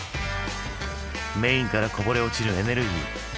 メインからこぼれ落ちるエネルギー。